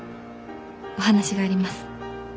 お話があります。